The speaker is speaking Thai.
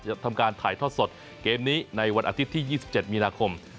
จะทำการถ่ายทอดสดเกมนี้ในวันอาทิตย์ที่๒๗มีนาคม